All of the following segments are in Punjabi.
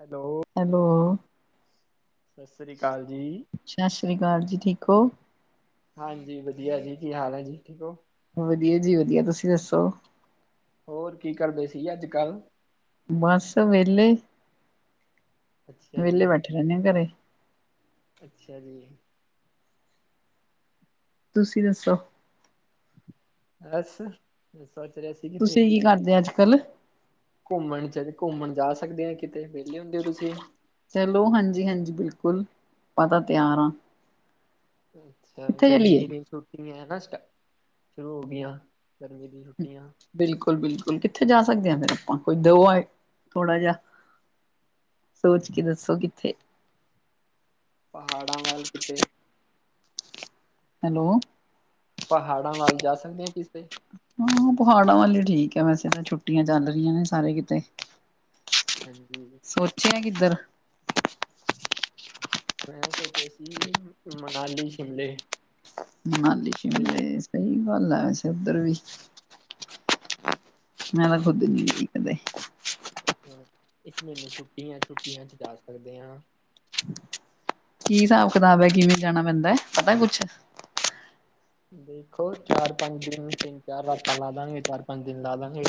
ਹੈਲੋ, ਹੈਲੋ, ਸਸਰੀ ਕਾਲ ਜੀ। ਸਸਰੀ ਕਾਲ ਜੀ। ਠੀਕ ਓ? ਹਾਂਜੀ ਵਧੀਆ ਜੀ। ਕੀ ਹਾਲ ਐ ਜੀ, ਠੀਕ ਓ? ਵਧੀਆ ਜੀ ਵਧੀਆ। ਤੁਸੀਂ ਦੱਸੋ? ਹੋਰ ਕੀ ਕਰਦੇ ਸੀਗੇ ਅੱਜ-ਕਲ? ਬਸ ਵਿਹਲੇ ਅੱਛਾ ਵਿਹਲੇ ਜੀ ਬੈਠੇ ਰਹਿੰਨੇ ਆ ਘਰੇ। ਅੱਛਾ ਜੀ‌। ਤੁਸੀਂ ਦੱਸੋ? ਬਸ ਸੋਚ ਰਿਹਾ ਸੀ ਕਿਤੇ ਤੁਸੀਂ ਕੀ ਕਰਦੇ ਅੱਜ ਕੱਲ? ਘੁੰਮਣ ਚ, ਘੁੰਮਣ ਜਾ ਸਕਦੇ ਆ ਕਿਤੇ, ਵਿਹਲੇ ਹੁੰਦੇ ਓ ਤੁਸੀਂ? ਚਲੋ ਹਾਂਜੀ-ਹਾਂਜੀ, ਬਿਲਕੁਲ। ਆਪਾਂ ਤਾਂ ਤਿਆਰ ਆ। ਅੱਛਾ ਚਲੀਏ? ਗਰਮੀ ਦੀ ਛੁੱਟੀ ਹੈ ਨਾ, ਸਟਾ ਸ਼ੁਰੂ ਹੋ ਗਈਆਂ ਗਰਮੀ ਛੁੱਟੀਆਂ ਬਿਲਕੁਲ-ਬਿਲਕੁਲ ਕਿੱਥੇ ਜਾ ਸਕਦੇ ਆ ਫੇਰ ਆਪਾਂ, ਕੋਈ ਦੋ ਆ ਥੋੜਾ ਜਿਹਾ ਸੋਚ ਕੇ ਦੱਸੋ ਕਿੱਥੇ? ਪਹਾੜਾਂ ਵੱਲ ਕਿਤੇ ਹੈਲੋ। ਪਹਾੜਾਂ ਵੱਲ ਜਾ ਸਕਦੇ ਆ ਕਿਸ ਤੇ? ਹਾਂ, ਪਹਾੜਾਂ ਵੱਲ ਈ ਠੀਕ ਆ ਵੈਸੇ ਤਾਂ ਛੁੱਟੀਆਂ ਚੱਲ ਰਹੀਆਂ ਨੇ ਸਾਰੇ ਕਿਤੇ। ਹਾਂਜੀ‌‌। [unintelligible] ਐ ਕਿੱਧਰ ਮੈਂ ਸੋਚਿਆ ਸੀ ਵੀ ਮਨਾਲੀ, ਸ਼ਿਮਲੇ ਮਨਾਲੀ, ਕਿਤੇ ਵੀ ਸ਼ਿਮਲੇ ਸਹੀ ਗੱਲ ਆ ਵੈਸੇ ਉਧਰ ਵੀ। ਮੈਂ ਵੈਸੇ ਹਾਂਜੀ ਓਧਰ ਗਈ ਨੀ ਕਦੇ ਹਾਂ, ਇਸ ਮਹੀਨੇ ਛੁੱਟੀਆਂ-ਛੁੱਟੀਆਂ ਚ ਜਾ ਸਕਦੇ ਆ। ਕੀ ਹਿਸਾਬ ਕਿਤਾਬ ਐ, ਕਿਵੇਂ ਜਾਣਾ ਪੈਂਦੈ, ਪਤਾ ਕੁਛ? ਦੇਖੋ ਚਾਰ-ਪੰਜ ਦਿਨ, ਤਿੰਨ-ਚਾਰ ਰਾਤਾਂ ਲਾ- ਲਾਗੇ, ਚਾਰ-ਪੰਜ ਦਿਨ ਲਾ-ਲਾਗੇ।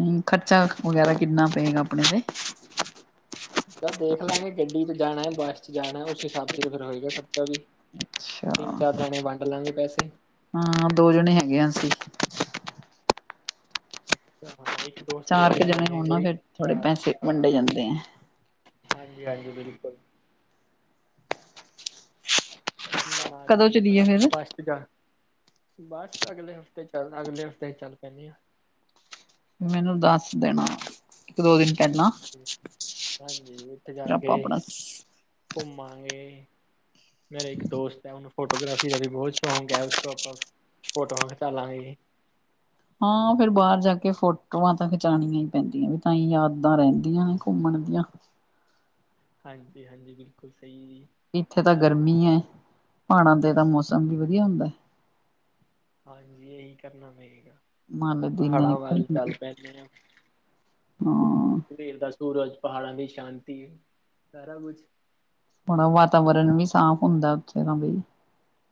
ਹੂੰ, ਖਰਚਾ ਵਗੈਰਾ ਕਿੰਨਾ ਪਏਗਾ ਆਪਣੇ ਤੇ? ਚੱਲ ਦੇਖ ਲਾਂਗੇ ਗੱਡੀ ਚ ਜਾਣਾ, ਬੱਸ ਚ ਜਾਣਾ, ਉਸ ਹਿਸਾਬ ਚ ਫਿਰ ਹੋਏਗਾ ਖਰਚਾ ਵੀ। ਅੱਛਾ ਤਿੰਨ-ਚਾਰ ਜਾਣੇ ਵੰਡ ਲਵਾਂਗੇ ਪੈਸੇ‌ ਹਾਂ, ਦੋ ਜਣੇ ਹੈਗੇ ਆ ਅਸੀ‌। ਅੱਛਾ। ਹਾਂ, ਇੱਕ ਦੋਸਤ ਚਾਰ ਹੋਰ ਕੁ ਲੈ ਜਣੇ ਜਾਗੇ ਹੋਣ ਨਾ ਕੋਈ ਫਿਰ ਥੋੜੇ ਚਾਰ, ਪੈਸੇ ਹਾਂ। ਵੰਡੇ ਜਾਂਦੇ ਆ ਹਾਂਜੀ-ਹਾਂਜੀ, ਬਿਲਕੁਲ। ਕਦੋਂ ਮਨਾਲੀ ਚਲੀਏ [unintelligible] ਫਿਰ ਬਸ [unintelligible] ਬਸ ਅਗਲੇ ਹਫ਼ਤੇ ਚੱਲ, ਅਗਲੇ ਹਫ਼ਤੇ ਚੱਲ ਪੈਂਨੇ ਆ। ਮੈਨੂੰ ਦੱਸ ਦੇਣਾ ਇੱਕ-ਦੋ ਦਿਨ ਪਹਿਲਾਂ। ਹਾਂਜੀ, ਓਥੇ ਫਿਰ ਜਾ ਕੇ ਆਪਾਂ ਆਪਣਾ ਘੁੰਮਾਂਗੇ। ਮੇਰੇ ਇੱਕ ਦੋਸਤ ਐ, ਉਹਨੂੰ ਫੋਟੋਗ੍ਰਾਫੀ ਦਾ ਵੀ ਬਹੁਤ ਸ਼ੌਕ ਐ, ਉਸ ਤੋਂ ਆਪਾਂ ਫ਼ੋਟੋਆਂ ਖਿਚਾ ਲਾਂਗੇ। ਹਾਂ ਫਿਰ ਬਾਰ ਜਾ ਕੇ ਫ਼ੋਟੋਆਂ ਤਾਂ ਖਿਚਾਣੀਆਂ ਈ ਪੈਂਦੀਆਂ ਵੀ ਤਾਂ ਈ ਯਾਦਾਂ ਰੈਂਦੀਆਂ ਐ ਘੁੰਮਣ ਦੀਆਂ। ਹਾਂਜੀ-ਹਾਂਜੀ ਬਿਲਕੁੱਲ ਸਈ ਜੀ। ਇੱਥੇ ਤਾਂ ਗਰਮੀ ਐ ਪਹਾੜਾਂ ਤੇ ਤਾਂ ਮੌਸਮ ਵੀ ਵਧੀਆ ਹੁੰਦਾ। ਹਾਂਜੀ ਏਹੀ ਕਰਨਾ ਪਏਗਾ, ਹਿਮਾਲਿਆ ਦੀ ਨਾ ਪਹਾੜਾਂ ਨਿਕਲ ਵੱਲ ਚੱਲ ਪੈ ਜਿਵੇਂ ਹਾਂ ਓ ਸਵੇਰ ਦਾ ਸੂਰਜ ਪਹਾੜਾਂ ਦੀ ਸ਼ਾਂਤੀ ਏ ਸਾਰਾ ਕੁਛ। ਬੜਾ ਵਾਤਾਵਰਨ ਵੀ ਸਾਫ਼ ਹੁੰਦਾ ਉੱਥੇ ਦਾ ਬਈ।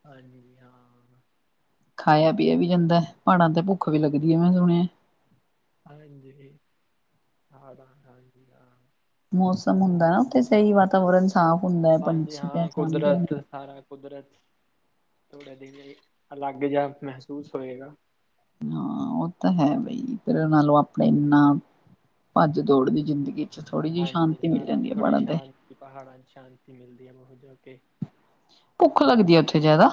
ਹਾਂਜੀ ਜੀ ਹਾਂ। ਖਾਇਆ ਪੀਆ ਵੀ ਜਾਂਦਾ ਐ ਪਹਾੜਾਂ ਤੇ ਭੁੱਖ ਵੀ ਲੱਗਦੀ ਏ ਮੈਂ ਸੁਣਿਆ। ਹਾਂਜੀ, ਪਹਾੜਾਂ ਹਾਂਜੀ ਹਾਂ। ਮੌਸਮ ਹੁੰਦਾ ਨਾ ਉੱਥੇ ਸਈ ਵਾਤਾਵਰਨ ਸਾਫ਼ ਹੁੰਦਾ ਐ ਹਾਂਜੀ ਪੰਛੀ ਹਾਂ ਚਿਹਚਹਾਦੇ ਨੇ। ਕੁਦਰਤ ਸਾਰਾ ਕੁਦਰਤ, ਥੋੜੇ ਦਿਨ ਨਈ ਅਲੱਗ ਜਾ ਮਹਿਸੂਸ ਹੋਏਗਾ। ਹਾਂ ਓ ਤਾਂ ਹੈ ਬਈ ਫੇਰ ਨਾਲੋਂ ਆਪਣੇ ਇਨਾਂ ਭੱਜ ਦੌੜ ਦੀ ਜ਼ਿੰਦਗੀ ਚ ਥੋੜੀ ਜੀ ਸ਼ਾਂਤੀ ਮਿਲ ਜਾਂਦੀ ਏ ਪਾੜਾਂ ਤੇ। ਕਿ ਪਹਾੜਾਂ ਚ ਸ਼ਾਂਤੀ ਮਿਲਦੀ ਐ ਮੂੰ ਜੋ ਕੇ ਭੁੱਖ ਲੱਗਦੀ ਐ ਉੱਥੇ ਜਿਆਦਾ।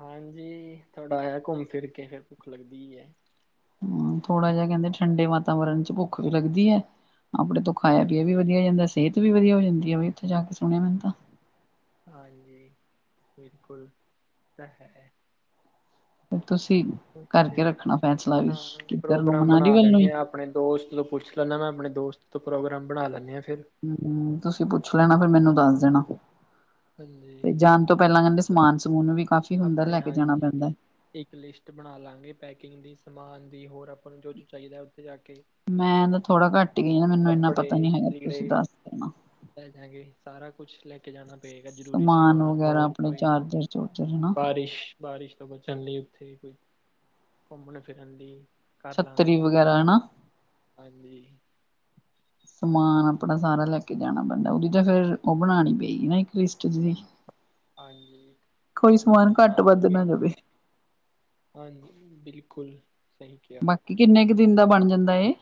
ਹਾਂਜੀ ਥੋੜਾ ਜਾ ਘੁੰਮ ਫਿਰ ਕੇ ਫੇਰ ਭੁੱਖ ਲੱਗਦੀ ਐ। ਹੂੰ ਥੋੜਾ ਜਾ ਕੈਂਦੇ ਠੰਡੇ ਵਾਤਾਵਰਨ ਚ ਭੁੱਖ ਵੀ ਲੱਗਦੀ ਐ ਆਪਣੇ ਤੋਂ ਖਾਇਆ ਪੀਆ ਵੀ ਹਾਂਜੀ। ਵਧੀਆ ਹੋ ਜਾਂਦਾ, ਸੇਅਤ ਵੀ ਵਧੀਆ ਹੋ ਜਾਂਦੀ ਐ ਬਈ ਉੱਥੇ ਜਾਂ ਕੇ ਸੁਣਿਆ ਮੈਂ ਤਾਂ। ਹਾਂਜੀ, ਬਿਲਕੁੱਲ ਤਾਂ ਹੈ। ਤੁਸੀਂ ਓਕੇ ਕਰਕੇ ਰੱਖਣਾ ਫੈਸਲਾ ਵੀ ਹਾਂਜੀ ਕਿੱਧਰ ਨੂੰ ਪ੍ਰੋਗਰਾਮ ਮਨਾਲੀ ਬਣਾ ਵੱਲ ਨੂੰ ਹੀ ਲੈਂਨੇ ਆ ਆਪਣੇ ਦੋਸਤ ਤੋਂ ਪੁੱਛ ਲੈਂਨਾ ਮੈਂ ਆਪਣੇ ਦੋਸਤ ਤੋਂ ਪ੍ਰੋਗਰਾਮ ਬਣਾ ਲੈਂਨੇ ਆ ਫਿਰ। ਹੂੰ ਤੁਸੀਂ ਪੁੱਛ ਲੈਣਾ ਫੇਰ ਮੈਨੂੰ ਦੱਸ ਦੇਣਾ। ਹਾਂਜੀ ਤੇ ਜਾਣ ਤੋਂ ਪੈਲਾਂ ਕੈਂਦੇ ਸਮਾਨ ਸਮੂਨ ਵੀ ਕਾਫ਼ੀ ਹੁੰਦਾ ਆਪਣੀ ਲੈ ਕੇ ਜਾਣਾ ਹਾਂਜੀ। ਪੈਂਦਾ ਐ। ਇੱਕ ਲਿਸਟ ਬਣਾਲਾਂਗੇ ਪੈਕਿੰਗ ਦੀ, ਸਮਾਨ ਦੀ ਹੋਰ ਆਪਾਂ ਨੂੰ ਜੋ-ਜੋ ਚਾਈਦਾ ਐ ਉੱਥੇ ਜਾ ਕੇ ਮੈਂ ਤਾਂ ਥੋੜਾ ਘੱਟ ਈ ਗਈ ਆ ਮੈਨੂੰ ਇੰਨਾ ਕੱਪੜੇ ਪਤਾ ਨੀ ਹੈਗਾ ਲੀੜੇ ਤੁਸੀਂ ਦੱਸ ਦੇਣਾ। ਲੈ ਜਾਗੇ ਸਾਰਾ ਕੁਛ ਲੈ ਕੇ ਜਾ ਪੇਗਾ ਜ਼ਰੂਰੀ ਸਮਾਨ ਵਗੈਰਾ ਹੋਰ ਆਪਣੇ ਕੋਈ, ਚਾਰਜਰ ਚੂਰਜਰ ਹਨਾ ਬਾਰਿਸ਼ ਬਾਰਿਸ਼ ਤੋਂ ਬਚਣ ਲਈ ਉੱਥੇ ਕੋਈ, ਘੁੰਮਣ ਫਿਰਨ ਲਈ ਛੱਤਰੀ ਵਗੈਰਾ ਹਨਾ। ਹਾਂਜੀ। ਸਮਾਨ ਆਪਣਾ ਸਾਰਾ ਲੈ ਕੇ ਜਾਣਾ ਪੈਂਦਾ ਉਦੀ ਤਾਂ ਫੇਰ ਓ ਬਣਾਣੀ ਪੇਗੀ ਨਾ ਇੱਕ ਲਿਸਟ ਜੀ। ਹਾਂਜੀ, ਕੋਈ ਲਿਸਟ ਸਮਾਨ ਘੱਟ ਬਣਾ ਵੱਧ ਕੇ ਨਾ ਜਾਵੇ ਹਾਂ ਜੀ ਬਿਲਕੁੱਲ ਸਹੀ ਕੇਆ। ਬਾਕੀ ਕਿੰਨੇ ਕ ਦਿਨ ਦਾ ਬਣ ਜਾਂਦਾ ਏ?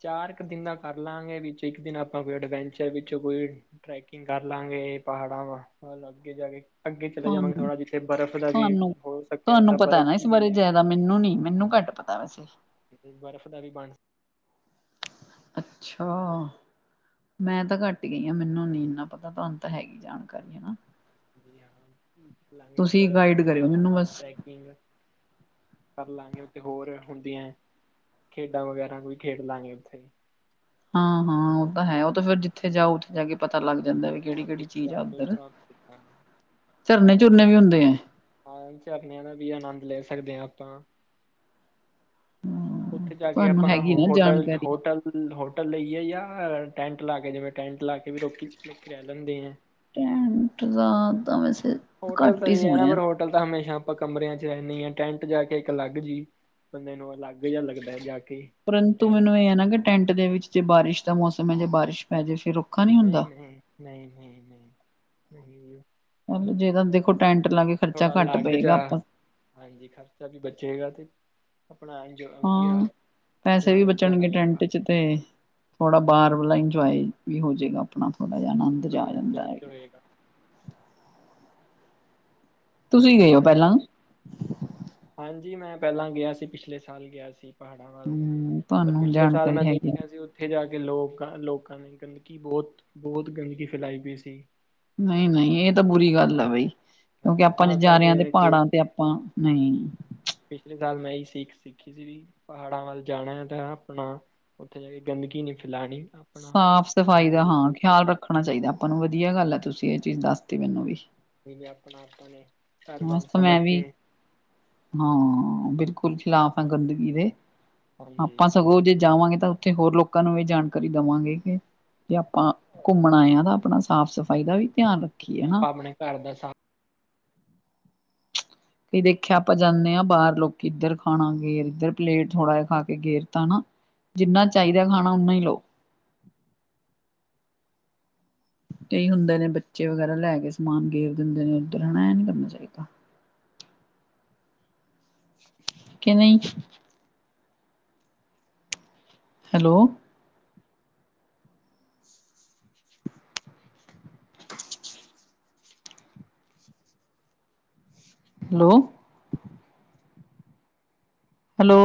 ਚਾਰ ਕ ਦਿਨ ਦਾ ਕਰ ਲਾਂਗੇ ਵਿੱਚ ਇੱਕ ਦਿਨ ਆਪਾਂ ਕੋਈ ਐਡਵੈਂਚਰ ਵਿੱਚ ਕੋਈ ਟਰੈਕਿੰਗ ਕਰ ਲਾਂਗੇ ਪਹਾੜਾਂ ਵਾ ਹਲ ਅੱਗੇ ਜਾ ਕੇ ਅੱਗੇ ਚਲੇ ਜਾਵਾਂਗੇ ਤੁਹਾਨੂੰ ਥੋੜਾ ਜਿੱਥੇ ਬਰਫ਼ ਦਾ ਵੀ ਤੁਹਾਨੂੰ ਹੋ ਸਕਿਆ ਤੁਹਾਨੂੰ ਤਾਂ ਪਤਾ ਬਰਫ਼ ਵੀ ਮਿਲੇਗੀ। ਤਾਂ ਵੈਸੇ ਉੱਥੇ ਬਰਫ਼ ਦਾ ਵੀ ਬਣ। ਅੱਛਾ! ਮੈਂ ਤਾਂ ਘੱਟ ਈ ਗਈ ਆ ਮੈਨੂੰ ਨੀ ਇਨਾਂ ਪਤਾ ਤੁਹਾਨੂੰ ਤਾਂ ਹੈਗੀ ਜਾਣਕਾਰੀ ਹਨਾ। ਜੀ ਹਾਂ ਖ ਲਾਗੇ ਤੁਸੀਂ ਬਰਫ਼ ਗਾਈਡ ਕਰਿਓ ਪਹਾੜਾਂ ਮੈਨੂੰ ਵੱਲ ਬਸ। ਟ੍ਰੈਕਿੰਗ ਕਰ ਲਾਂਗੇ ਉੱਥੇ ਹੋਰ ਹੁੰਦੀ ਐ ਖੇਡਾਂ ਵਗੈਰਾ ਵੀ ਖੇਡ ਲਾਂਗੇ ਉੱਥੇ। ਹਾਂ-ਹਾਂ ਉਹ ਤਾਂ ਹੈ, ਉਹ ਤਾਂ ਫੇਰ ਜਿੱਥੇ ਜਾਓ ਉੱਥੇ ਜਾ ਕੇ ਪਤਾ ਲੱਗ ਜਾਂਦਾ ਵਈ। [unintelligible] ਝਰਨੇ ਝੁਰਨੇ ਵੀ ਹੁੰਦੇ ਹੈ? ਹਾਂ ਚਰਨੇਆ ਦਾ ਵੀ ਆਨੰਦ ਲੈ ਸਕਦੇ ਆ ਆਪਾਂ। ਉੱਥੇ ਜਾ ਕੇ ਤੁਹਾਨੂੰ ਆਪਾਂ ਨਾ ਹੈਗੀ ਹੋਟਲ - ਜਾਣਕਾਰੀ। ਹੋਟਲ ਹੋਟਲ ਲਈਏ ਜਾਂ, ਟੈਂਟ ਲਾ ਕੇ ਜਿਵੇਂ ਟੈਂਟ ਲਾ ਕੇ ਵੀ ਲੋਕੀ ਲੋਕੀ ਏਥੇ ਆ ਜਾਂਦੇ ਹੈ। ਟੈਂਟ ਲਾਂਨ ਦਾ ਵੈਸੇ ਹੋਟਲ ਘੱਟ ਤਾਂ ਹੀ ਇਹ ਹੈ ਨਾ ਸੁਣਿਆ। ਪਰ ਹੋਟਲ ਤਾਂ ਹਮੇਸ਼ਾ ਆਪਾਂ ਕਮਰਿਆਂ ਚ ਰਹਿੰਦੇ ਹਾਂ ਟੈਂਟ ਜਾ ਕੇ ਇੱਕ ਅਲੱਗ ਜੀ। ਬੰਦੇ ਨੂੰ ਅਲੱਗ ਜਾ ਲੱਗਦਾ ਹੈ ਜਾ ਕੇ। ਵੀ ਪਰੰਤੂ ਟੈਂਟ ਮੈਨੂੰ ਇਹ ਹੈ ਨਾ ਕਿ ਟੈਂਟ ਦੇ ਵਿੱਚ ਜੇ ਬਾਰਿਸ਼ ਦਾ ਮੌਸਮ ਹੈ ਜੇ ਬਾਰਿਸ਼ ਪੈ ਜਾਵੇ ਫੇਰ ਨਹੀਂ -ਨਹੀਂ- ਨਹੀਂ- ਨਹੀਂ- ਨਹੀਂ ਜੇ ਤਾ ਦੇਖੋ ਟੈਂਟ ਲਾ ਕੇ ਖਰਚਾ ਥੋੜਾ ਘੱਟ ਅਲੱਗ ਪਏਗਾ ਜਾ ਆਪਾਂ। ਹਾਂਜੀ ਖਰਚਾ ਵੀ ਬਚੇਗਾ ਤੇ ਆਪਣਾ ਵਧੀਆ ਹਾਂ ਪੈਸੇ ਵੀ ਮਨੋਰੰਜਨ ਬਚਣਗੇ ਹੋਏਗਾ ਟੈਂਟ ਚ ਤੇ ਥੋੜਾ ਬਾਹਰ ਵਾਲਾ ਇੰਜੋਏ ਵੀ ਹੋਜੇਗਾ ਆਪਣਾ ਥੋੜਾ ਜਾ ਅਨੰਦ। ਮਨੋਰੰਜਨ ਵੀ ਹੋਏਗਾ। ਤੁਸੀਂ ਗਏ ਹੋ ਪਹਿਲਾਂ ਮਨੋਰੰਜਨ, ਹਾਂਜੀ ਮੈਂ ਪਹਿਲਾਂ ਗਿਆ ਸੀ, ਪਿਛਲੇ ਸਾਲ ਗਿਆ ਸੀ। ਪਹਾੜਾਂ ਵੱਲ, ਹੂੰ ਪਰ ਤੁਹਾਨੂੰ ਪਿਛਲੇ ਸਾਲ ਜਾਣਕਾਰੀ ਮੈਂ ਹੈਗੀ ਆ ਦੇਖਿਆ ਸੀ ਓ ਇੱਥੇ ਜਾ ਕੇ ਲੋਕ ਨੇ - ਲੋਕਾਂ ਨੇ ਗੰਦਗੀ ਬਹੁਤ-ਬਹੁਤ ਗੰਦਗੀ ਫੈਲਾਈ ਪਈ ਸੀ। ਨਹੀਂ- ਨਹੀਂ ਇਹ ਤਾਂ ਬੁਰੀ ਗੱਲ ਹੈ ਬਈ। ਕਿਉਂਕਿ ਆਪਾਂ ਜੇ ਤਾਂ ਜਾ ਰਿਆਂ ਤੇ ਜਿਹੜੇ ਕਿ ਪਹਾੜਾਂ ਤੇ ਆਪਾਂ ਨਈ। ਪਿਛਲੇ ਸਾਲ ਮੈਂ ਇਹੀ ਸਿੱਖ ਸਿੱਖੀ ਸੀ ਵਈ ਪਹਾੜਾਂ ਵੱਲ ਜਾਣਾ ਹੈ ਤਾਂ ਆਪਣਾ ਉੱਥੇ ਜਾ ਕੇ ਗੰਦਗੀ ਨਹੀਂ ਫੈਲਾੜੀ। ਸਾਫ਼ ਸਫ਼ਾਈ ਦਾ, ਹਾਂ ਖਿਆਲ ਰੱਖਣਾ ਚਾਹੀਦਾ ਆਪਾਂ ਨੂੰ ਵਧੀਆ ਗੱਲ ਹੈ ਤੁਸੀਂ ਇਹ ਚੀਜ਼ ਦੱਸਤੀ ਮੈਨੂੰ ਵੀ। ਜ ਆਪਣਾ ਆਪਾਂ ਨੇ। ਘਰ ਵਾਂਗ ਮਸਤ ਸਮਝ ਮੈਂ ਵੀ, ਕੇ ਹਾਂ ਬਿਲਕੁਲ ਖਿਲਾਫ ਆ ਗੰਦਗੀ ਦੇ। ਹਾਂਜੀ ਆਪਾਂ ਸਗੋਂ ਜੇ ਜਾਵਾਂਗੇ ਤਾਂ ਉੱਥੇ ਹੋਰ ਲੋਕਾਂ ਨੂੰ ਇਹ ਜਾਣਕਾਰੀ ਦੇਵਾਂਗੇ ਕਿ ਜੇ ਆਪਾਂ ਘੁੰਮਣਾ ਆਏ ਹ ਨਾਂ ਆਪਣਾ ਸਾਫ਼ ਸਫ਼ਾਈ ਦਾ ਵੀ ਧਿਆਨ ਰੱਖ ਜਿਵੇਂ ਆਪਾਂ ਆਪਣੇ ਘਰ ਦਾ ਸਾ ਕਈ ਦੇਖਿਆ ਆਪਾਂ ਜਾਂਨੇ ਆ, ਬਾਹਰ ਲੋਕੀ ਇੱਧਰ ਖਾਣਾ ਗੇਰ ਇੱਧਰ ਪਲੇਟ ਥੋੜ੍ਹਾ ਜਿਹਾ ਖਾ ਕੇ ਗੇਰ ਤਾਂ ਨਾ ਜਿੰਨਾ ਚਾਹੀਦਾ ਖਾਣਾ ਓਨਾ ਹੀ ਲਓ। ਕਈ ਹੁੰਦੇ ਨੇ ਬੱਚੇ ਵਗੈਰਾ ਲੈ ਕੇ ਸਮਾਨ ਗੇਰ ਦਿੰਦੇ ਨੇ ਉੱਧਰ ਹੈਨ, ਇਹ ਨਹੀ ਕਰਨਾ ਚਾਹੀਦਾ। ਕਿਵੇਂ? ਹੈਲੋ! ਹੈਲੋ! ਹੈਲੋ!